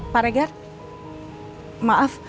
pak regar maaf